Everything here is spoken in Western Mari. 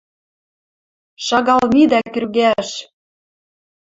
Шагал мидӓ крӱгӓш.